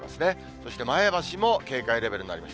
そして前橋も警戒レベルになります。